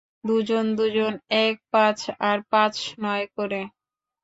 দুজন দুজন, এক-পাঁচ আর পাঁচ-নয় করে।